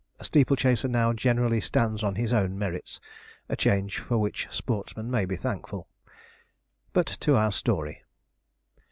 A steeple chaser now generally stands on his own merits; a change for which sportsmen may be thankful. But to our story.